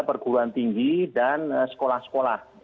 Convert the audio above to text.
perguruan tinggi dan sekolah sekolah